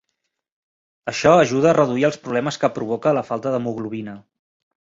Això ajuda a reduir els problemes que provoca la falta d'hemoglobina.